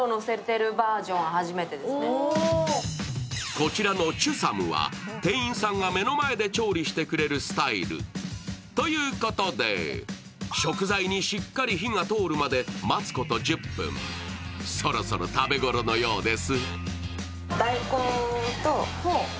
こちらのチュサムは、店員さんが目の前で調理してくれるスタイル。ということで、食材にしっかり火が通るまで待つこと１０分、そろそろ食べごろのようです。